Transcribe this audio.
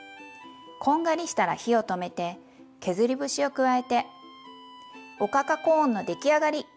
こんがりしたら火を止めて削り節を加えておかかコーンの出来上がり！